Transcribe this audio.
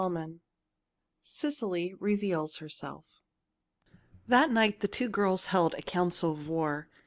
CHAPTER VI CECILY REVEALS HERSELF That night the two girls held a council of war.